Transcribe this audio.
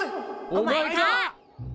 お前か！